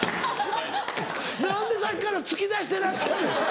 何でさっきから突き出してらっしゃる？